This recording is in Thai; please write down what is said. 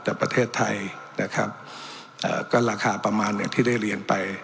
แต่ประเทศไทยนะครับเอ่อก็ราคาประมาณอย่างที่ได้เรียนไป